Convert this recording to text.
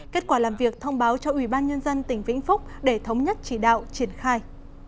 kết quả làm việc thông báo cho ubnd tỉnh vĩnh phúc để thống nhất chỉ đạo triển khai